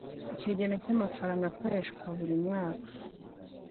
ikigereranyo cy'amafaranga akoreshwa buri mwaka.